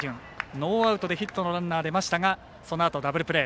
ノーアウトでランナーが出ましたがそのあとダブルプレー。